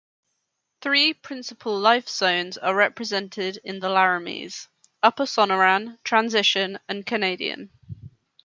Three principal life zones are represented in the Laramies: Upper Sonoran, Transition and Canadian.